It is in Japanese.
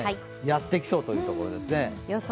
やってきそうというところですね。